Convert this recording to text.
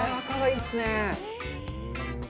赤貝、いいっすね。